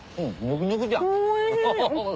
おいしい！